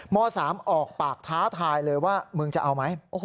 ม๓ออกปากท้าทายเลยว่ามึงจะเอาไหม